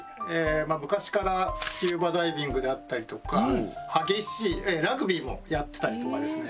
まあ昔からスキューバダイビングだったりとか激しいラグビーもやってたりとかですね